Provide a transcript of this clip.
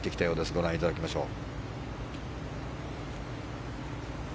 ご覧いただきましょう。